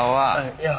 いや。